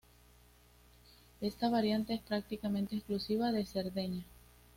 Esta variante es prácticamente exclusiva de Cerdeña.